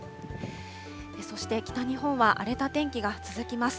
そして北日本は荒れた天気が続きます。